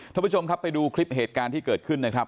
ท่านผู้ชมครับไปดูคลิปเหตุการณ์ที่เกิดขึ้นนะครับ